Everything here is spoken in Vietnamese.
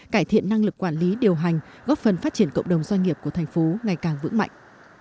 cải thiện năng lực quản lý điều hành góp phần phát triển cộng đồng doanh nghiệp của thành phố ngày càng vững mạnh